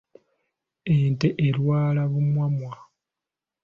Ente erwala bumwamwa.